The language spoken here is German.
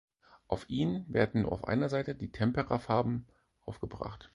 Auf ihn werden nur auf einer Seite die Temperafarben aufgebracht.